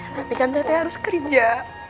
tapi kan tete harus kerja